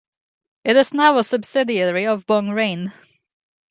It is now a subsidiary of Bongrain.